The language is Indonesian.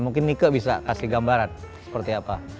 mungkin nike bisa kasih gambaran seperti apa